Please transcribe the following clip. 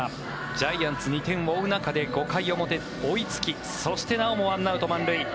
ジャイアンツ、２点を追う中で５回表、追いつきそして、なおも１アウト満塁。